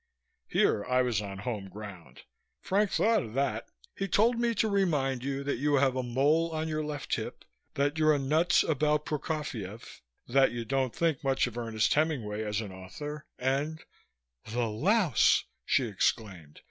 Here I was on home ground. "Frank thought of that. He told me to remind you that you have a mole on your left hip, that you're nuts about Prokofiev, that you don't think much of Ernest Hemingway as an author and " "The louse!" she exclaimed.